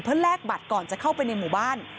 แลกบัตรก่อนจะเข้าไปในหมู่บ้าน